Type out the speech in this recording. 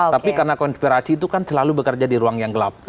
tapi karena konspirasi itu kan selalu bekerja di ruang yang gelap